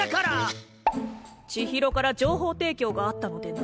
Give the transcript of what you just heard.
千尋から情報提供があったのでな。